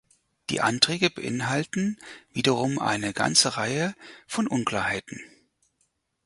Die Anträge beinhalten wiederum eine ganze Reihe von Unklarheiten.